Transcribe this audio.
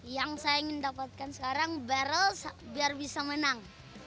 yang saya ingin dapatkan sekarang barrel biar bisa menang